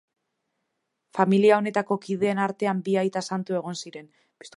Familia honetako kideen artean bi aita santu egon ziren.